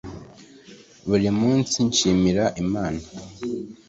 buri munsi nshimira imana